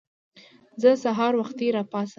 زه سهار وختي راپاڅم.